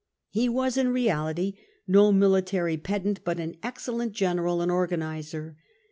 He was in reality no military pedant but an excellent general and organiser.